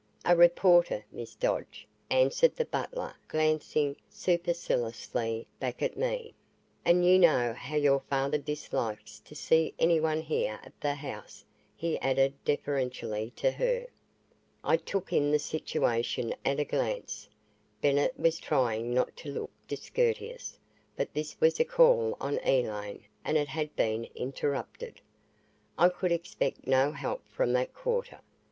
"A reporter, Miss Dodge," answered the butler glancing superciliously back at me, "and you know how your father dislikes to see anyone here at the house," he added deferentially to her. I took in the situation at a glance. Bennett was trying not to look discourteous, but this was a call on Elaine and it had been interrupted. I could expect no help from that quarter.